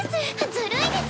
ずるいです